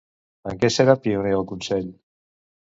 En què serà pioner el Consell?